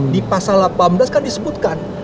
di pasal delapan belas kan disebutkan